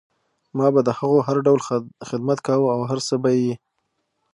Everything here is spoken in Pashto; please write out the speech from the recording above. ما به د هغو هر ډول خدمت کوه او هر څه به یې